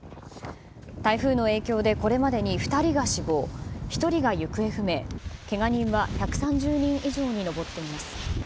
台風の影響で、これまでに２人が死亡、１人が行方不明、けが人は１３０人以上に上っています。